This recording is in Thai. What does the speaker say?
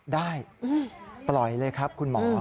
ได้ปล่อยเลยครับคุณหมอ